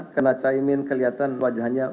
karena caimin kelihatan wajahnya